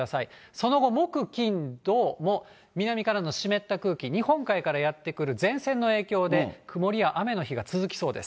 その後、木、金、土も南からの湿った空気、日本海からやって来る前線の影響で、曇りや雨の日が続きそうです。